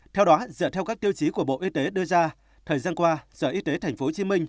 theo đó dựa theo các tiêu chí của bộ y tế đưa ra thời gian qua sở y tế tp hcm